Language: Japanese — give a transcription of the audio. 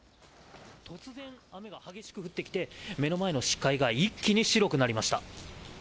雨が激しく降ってきて目の前の視界が一気に白くなりました。